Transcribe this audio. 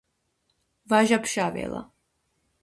ვაჟა ფშაველა